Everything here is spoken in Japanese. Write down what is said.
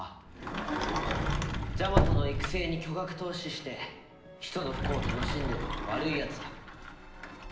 ジャマトの育成に巨額投資して人の不幸を楽しんでる悪いやつだ。